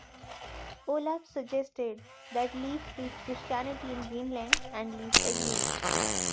Olaf suggested that Leif preach Christianity in Greenland and Leif agreed.